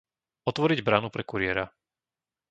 Otvoriť bránu pre kuriéra.